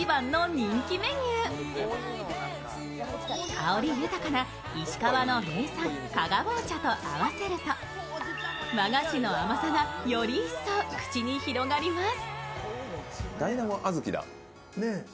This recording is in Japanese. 香り豊かな石川の名産・加賀棒茶と合わせると、和菓子の甘さがより一層口に広がります。